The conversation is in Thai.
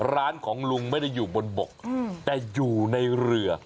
ร้านของลุงไม่ได้อยู่บนบกแต่อยู่ในเรือ